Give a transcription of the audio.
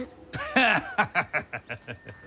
ハハハハハ。